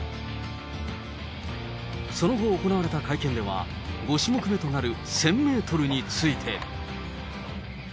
その後行われた会見では、５種目目となる１０００メートルについて。